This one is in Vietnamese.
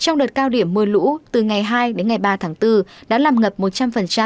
trong đợt cao điểm mưa lũ từ ngày hai đến ngày ba tháng bốn đã làm ngập một trăm linh